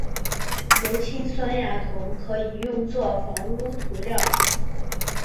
硫氰酸亚铜可以用作防污涂料。